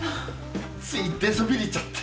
つい出そびれちゃって。